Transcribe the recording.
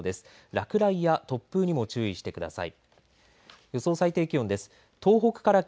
落雷や突風にも注意してください。